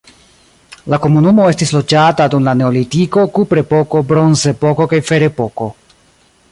La komunumo estis loĝata dum la neolitiko, kuprepoko, bronzepoko kaj ferepoko.